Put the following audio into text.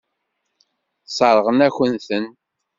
Sseṛɣen-akent-ten.